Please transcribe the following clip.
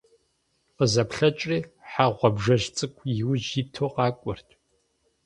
КъызэплъэкӀри - хьэ гъуабжэжь цӀыкӀу иужь иту къакӀуэрт.